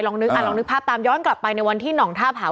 ลองนึกภาพตามของกันย้อนกลับไปในวันที่หล่องธาผา